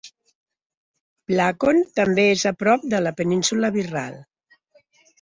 Blacon també és a prop de la península Wirral.